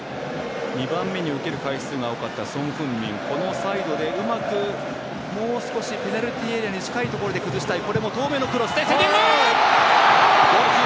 ２番目に受ける回数が多かったソン・フンミンこのサイドでうまくもう少しペナルティーエリアに近いところで崩したい。